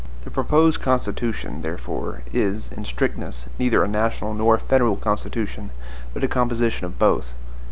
The proposed Constitution, therefore, is, in strictness, neither a national nor a federal Constitution, but a composition of both.